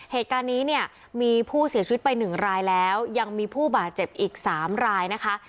เหตุการณ์นี้เนี่ยมีผู้เสียชีวิตไป๑รายแล้วยังมีผู้บาดเจ็บอีก๓รายนะคะ